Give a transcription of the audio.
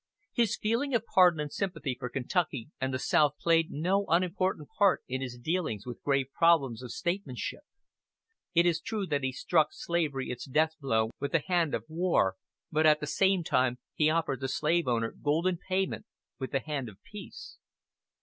His feeling of pardon and sympathy for Kentucky and the South played no unimportant part in his dealings with grave problems of statesmanship. It is true that he struck slavery its death blow with the hand of war, but at the same time he offered the slaveowner golden payment with the hand of peace.